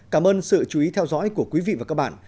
cảm ơn sự chú ý theo dõi của quý vị và các bạn